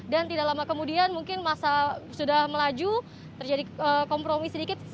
dan tidak lama kemudian mungkin masa sudah melaju terjadi kompromis sedikit